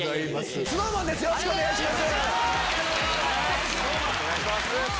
よろしくお願いします。